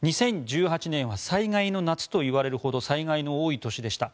２０１８年は災害の夏といわれるほど災害の多い年でした。